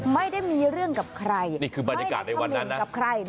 ไม่ได้มีเรื่องกับใครไม่ได้แทบเล่นกับใคร